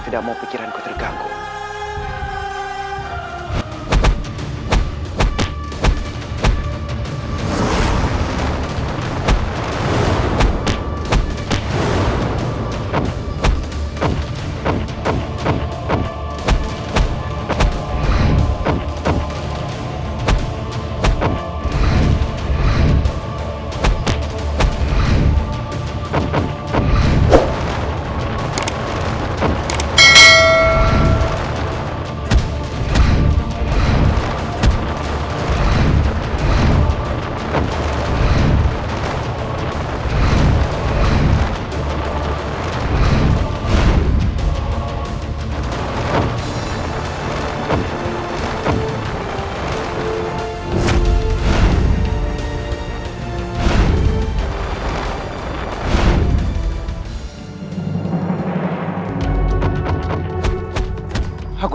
tidak mau pikiran kutrikanku